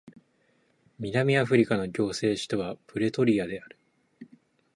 南アフリカの行政首都はプレトリアである